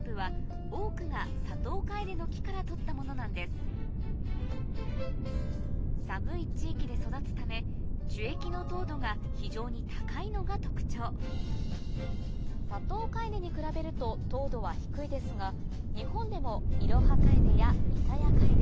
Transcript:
実は本場寒い地域で育つため樹液の糖度が非常に高いのが特徴サトウカエデに比べると糖度は低いですが日本でもイロハカエデやイタヤカエデ